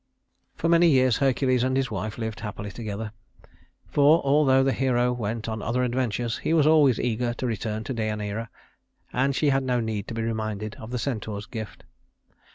For many years Hercules and his wife lived happily together; for, although the hero went on other adventures, he was always eager to return to Deïaneira, and she had no need to be reminded of the centaur's gift.